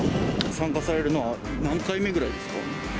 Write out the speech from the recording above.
参加されるのは、何回目ぐらいですか？